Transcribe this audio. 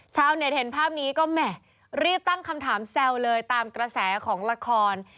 ชาวเน็ตเห็นภาพนี้ก็แหม่รีบตั้งคำถามแซวเลยตามกระแสของละคร